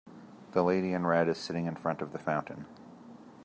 The lady in red is sitting in front of the fountain.